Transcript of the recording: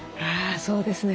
そうですね。